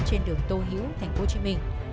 trên đường tô hữu tp hcm